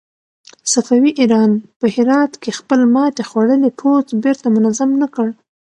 صفوي ایران په هرات کې خپل ماتې خوړلی پوځ بېرته منظم نه کړ.